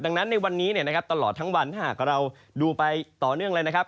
ดังนั้นในวันนี้นะครับตลอดทั้งวันถ้าหากเราดูไปต่อเนื่องเลยนะครับ